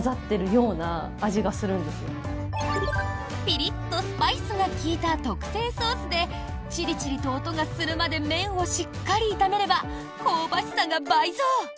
ピリッとスパイスが利いた特製ソースでチリチリと音がするまで麺をしっかり炒めれば香ばしさが倍増！